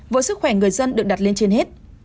với sức khỏe người dân được đặt lên trên hết